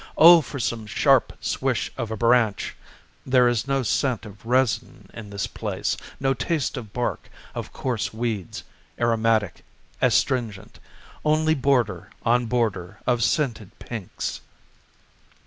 O for some sharp swish of a branch there is no scent of resin in this place, no taste of bark, of coarse weeds, aromatic, astringent only border on border of scented pinks.